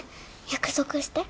約束して